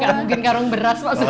gak mungkin karung beras pak surya